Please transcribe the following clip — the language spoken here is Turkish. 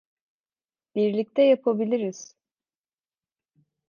Birlikte yapabiliriz.